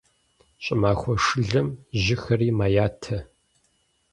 ЩӀымахуэ шылэм жьыхэри мэятэ.